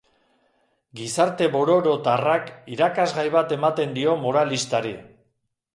Gizarte bororotarrak irakasgai bat ematen dio moralistari.